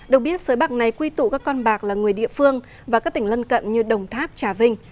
được biết sới bạc này quy tụ các con bạc là người địa phương và các tỉnh lân cận như đồng tháp trà vinh